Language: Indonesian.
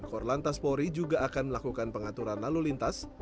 korlantas polri juga akan melakukan pengaturan lalu lintas